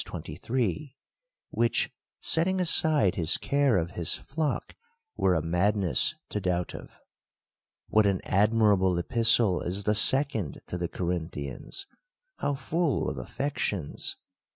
23) ; which, setting aside his care of his flock, were a madness to THE COUNTRY PARSON. 19 doubt of. What an admirable epistle is the second to the Corinthians! How full of affections